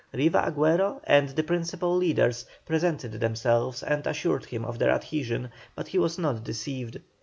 Riva Agüero and the principal leaders presented themselves and assured him of their adhesion, but he was not deceived.